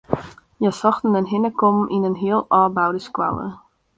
Hja sochten in hinnekommen yn in heal ôfboude skoalle.